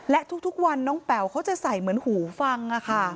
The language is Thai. และทุกวันน้องแป๋วเขาจะใส่เหมือนหูฟัง